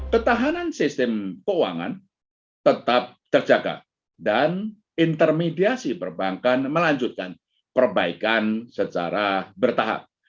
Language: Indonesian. ketahanan sistem keuangan tetap terjaga dan intermediasi perbankan melanjutkan perbaikan secara bertahap